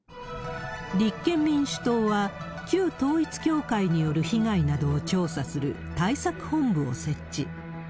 立憲民主党は、旧統一教会による被害などを調査する対策本部を設置。